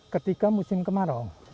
ketika musim kemarau